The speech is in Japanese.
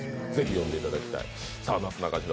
ぜひ読んでいただきたい。